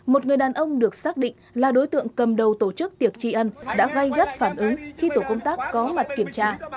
một người đàn ông được xác định là đối tượng cầm đầu tổ chức tiệc tri ân đã gây gắt phản ứng khi tổ công tác có mặt kiểm tra